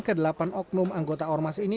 ke delapan oknum anggota ormas ini